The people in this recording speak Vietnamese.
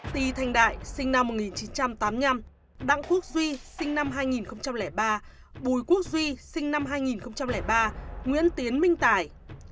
ti thanh đại đăng quốc duy bùi quốc duy nguyễn tiến minh tải